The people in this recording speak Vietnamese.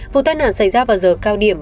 vụ tai nạn xảy ra vào giờ cao điểm